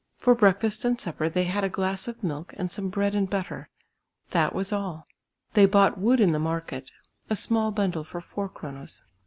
For breakfast and supper they had a glass of milk and some bread and butter. That was all. They bought wood in the market, a small bundle for 4 kronas.